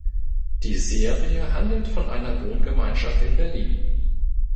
Die Serie handelt von einer Wohngemeinschaft in Berlin.